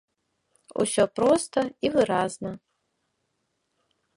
Усё проста і выразна.